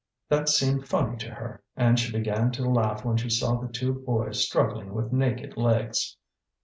That seemed funny to her, and she began to laugh when she saw the two boys struggling with naked legs.